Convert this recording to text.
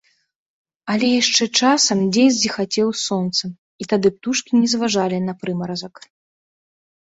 Але яшчэ часам дзень зіхацеў сонцам, і тады птушкі не зважалі на прымаразак.